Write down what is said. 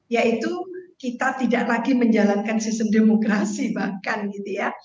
yaitu kita tidak lagi menjalankan sistem demokrasi bahkan gitu ya